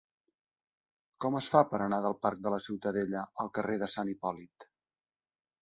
Com es fa per anar del parc de la Ciutadella al carrer de Sant Hipòlit?